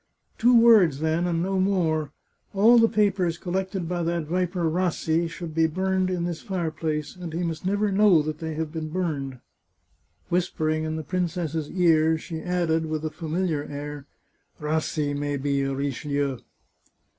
" Two words then, and no more. All the papers col lected by that viper Rassi should be burned in this fire place, and he must never know they have been burned." Whispering in the princess's ear, she added, with a famil iar air: " Rassi may be a Richelieu."